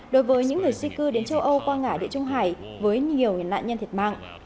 đối với những người di cư đến châu âu qua ngã địa trung hải với nhiều nạn nhân thiệt mạng